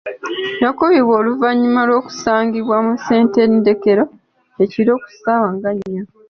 Yakubibwa oluvannyuma lw'okusangibwa mu ssenttedekero ekiro ku saawa nga nnya.